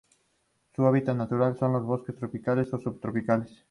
Su hábitat natural son los bosques tropicales o subtropicales.